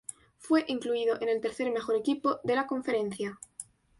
Fue incluido en el tercer mejor equipo de la conferencia.